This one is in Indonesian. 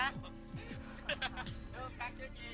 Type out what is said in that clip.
yuk kak cuci